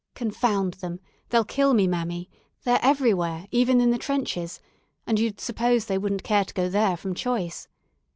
"Confound them, they'll kill me, mami; they're everywhere, even in the trenches, and you'd suppose they wouldn't care to go there from choice.